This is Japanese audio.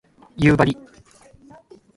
夕張